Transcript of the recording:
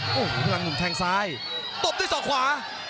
พลังหนุ่มแทงซ้ายตบด้วยส่อขวา